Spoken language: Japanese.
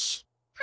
あ。